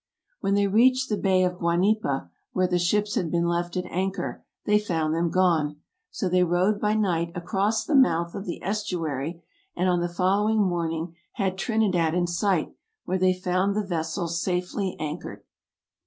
When they reached the Bay of Guanipa, where the ships had been left at anchor, they found them gone; so they rowed by night across the mouth of the estuary, and on the following morning had Trinidad in sight, where they found the vessels safely anchored.